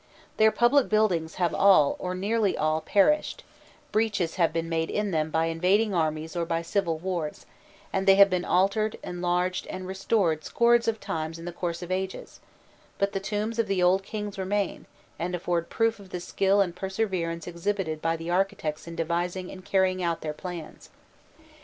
Their public buildings have all, or nearly all, perished; breaches have been made in them by invading armies or by civil wars, and they have been altered, enlarged, and restored scores of times in the course of ages; but the tombs of the old kings remain, and afford proof of the skill and perseverance exhibited by the architects in devising and carrying out their plans.